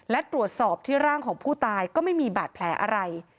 และตรวจสอบที่ร่างของผู้ตายก็ไม่มีบาดแผลอะไร